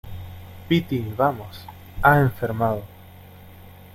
piti, vamos. ha enfermado .